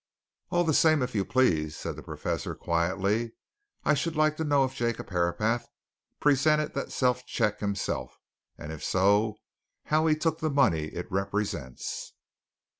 "All the same, if you please," said the Professor quietly, "I should like to know if Jacob Herapath presented that self cheque himself, and if so, how he took the money it represents."